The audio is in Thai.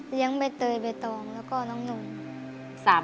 ใบเตยใบตองแล้วก็น้องหนุ่ม